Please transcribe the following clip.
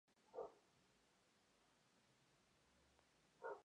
En Montevideo recibe clases de Tomás Múgica y Lamberto Baldi.